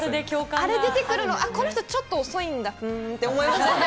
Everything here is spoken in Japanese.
あれ出てくるの、この人、ちょっと遅いんだ、ふーんって思います。